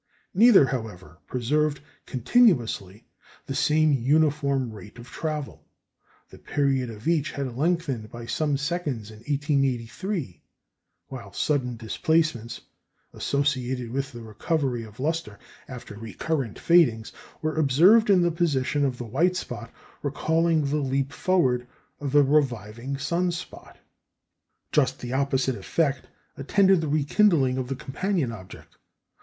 Neither, however, preserved continuously the same uniform rate of travel. The period of each had lengthened by some seconds in 1883, while sudden displacements, associated with the recovery of lustre after recurrent fadings, were observed in the position of the white spot, recalling the leap forward of a reviving sun spot. Just the opposite effect attended the rekindling of the companion object.